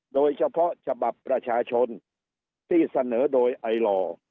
โดยเฉพาะฉบับประชาชนที่เสนอโดยไอหล่อ